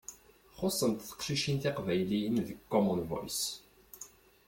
Xuṣṣent teqcicin tiqbayliyin deg Common Voice.